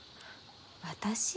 私？